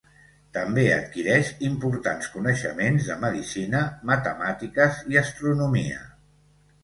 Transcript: També adquireix importants coneixements de medicina, matemàtiques i astronomia.